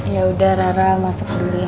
yaudah rara masuk dulu ya